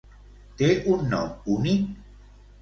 Té un nom únic?